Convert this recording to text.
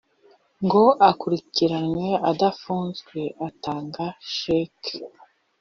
ngo akurikiranwe adafunzwe atanga sheki